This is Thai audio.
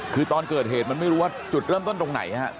คือตอนเกิดเหตุมันไม่รู้ว่าจุดเริ่มต้นตรงไหนฮะ